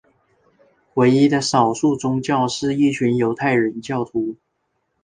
唯一的少数宗教是一小群犹太教徒。